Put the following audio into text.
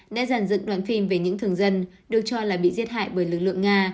đã giàn dựng đoàn phim về những thường dân được cho là bị giết hại bởi lực lượng nga